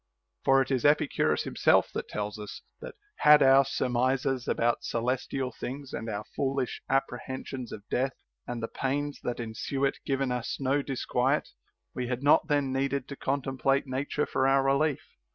For it is Epicurus himself that tells us that, had our surmises about celestial things and our foolish appre hensions of death and the pains that ensue it given us no disquiet, we had not then needed to contemplate nature for our relief.